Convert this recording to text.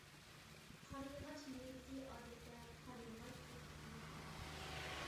قارىياغاچ مېۋىسى ئادەتتە «قارىياغاچ پوستىكى» دەپ ئاتىلىدۇ.